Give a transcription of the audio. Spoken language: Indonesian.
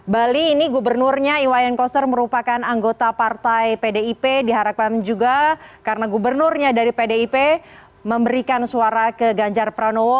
bali ini gubernurnya iwayan koster merupakan anggota partai pdip diharapkan juga karena gubernurnya dari pdip memberikan suara ke ganjar pranowo